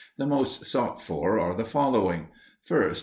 The most sought for are the following: 1st.